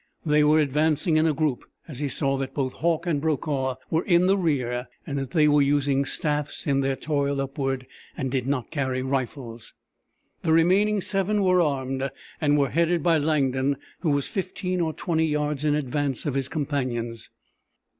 They were advancing in a group and he saw that both Hauck and Brokaw were in the rear and that they were using staffs in their toil upward, and did not carry rifles. The remaining seven were armed, and were headed by Langdon, who was fifteen or twenty yards in advance of his companions.